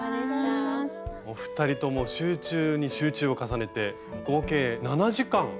お二人とも集中に集中を重ねて合計７時間。